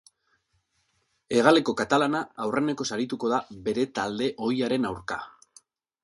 Hegaleko katalana aurrenekoz arituko da bere talde ohiaren aurka.